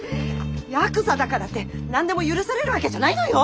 ヤクザだからって何でも許されるわけじゃないのよ！